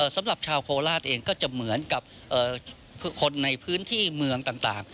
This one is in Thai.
สำหรับชาวโคราชเองก็จะเหมือนกับคนในพื้นที่เมืองต่าง